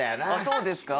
そうですか？